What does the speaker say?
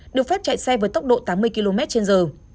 được phép chạy xe với tốc độ tám mươi km trên giờ